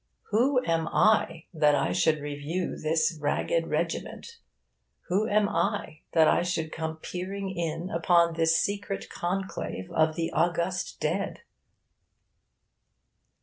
Who am I that I should review this 'ragged regiment'? Who am I that I should come peering in upon this secret conclave of the august dead?